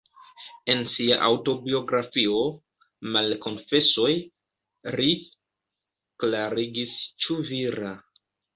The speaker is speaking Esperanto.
En sia aŭtobiografio, "Malkonfesoj", ri klarigis, “Ĉu vira?